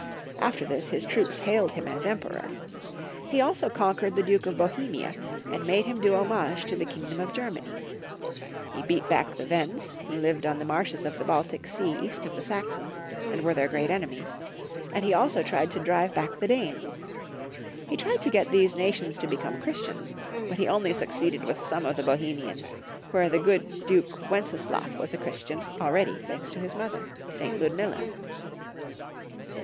After this his troops hailed him as Em peron He also conquered the Duke of Bohemia, and made him do homage to the kingdom of Ger many. He beat back the Wends, who lived on the marshes of the Baltic Sea east of the Saxons, and were their great enemies ; and he also tried to drive back the Danes. He tried to get these nations to become Christians, but he only succeeded with some of the Bohemians, where the good Duke Wenceslaf was a Christian, already, thanks to his mother, St. Ludmilla.